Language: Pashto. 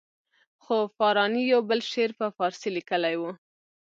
خو فاراني یو بل شعر په فارسي لیکلی وو.